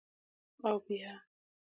_اوبيا؟